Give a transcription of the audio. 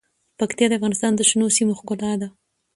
پکتیا د افغانستان د شنو سیمو ښکلا ده.